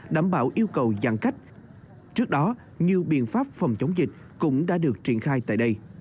đảm bảo yêu cầu dàn cách trước đó nhiều biện pháp phòng chống dịch cũng đã được triển khai tại đây